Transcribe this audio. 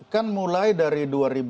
kan mulai dari